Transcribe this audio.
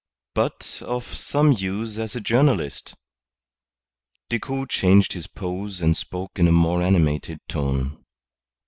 "But of some use as a journalist." Decoud changed his pose and spoke in a more animated tone.